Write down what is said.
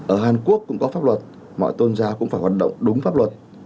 ở hàn quốc cũng có pháp luật mọi tôn giáo cũng phải hoạt động đúng pháp luật